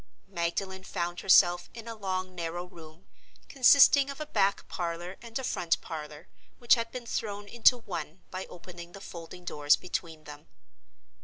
Magdalen found herself in a long, narrow room, consisting of a back parlor and a front parlor, which had been thrown into one by opening the folding doors between them.